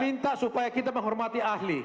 minta supaya kita menghormati ahli